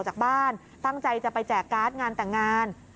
จากบ้านตั้งใจจะไปแจกการ์ดงานแต่งงาน